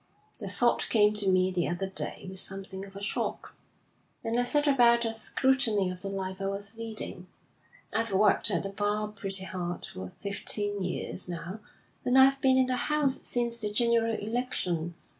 'The thought came to me the other day with something of a shock, and I set about a scrutiny of the life I was leading. I've worked at the bar pretty hard for fifteen years now, and I've been in the House since the general election.